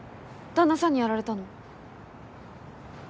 旦那さんにやられたの？